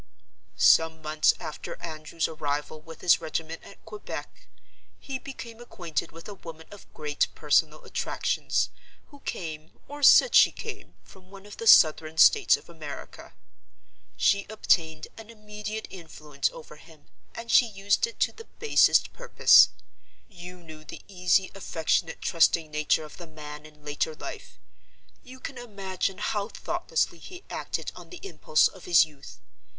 "Some months after Andrew's arrival with his regiment at Quebec, he became acquainted with a woman of great personal attractions, who came, or said she came, from one of the Southern States of America. She obtained an immediate influence over him; and she used it to the basest purpose. You knew the easy, affectionate, trusting nature of the man in later life—you can imagine how thoughtlessly he acted on the impulse of his youth.